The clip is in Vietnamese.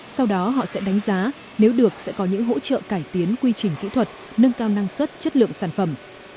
sau đó họ sẽ đánh giá nếu được sẽ có những hỗ trợ cải tiến quy trình kỹ thuật nâng cao năng suất chất lượng sản phẩm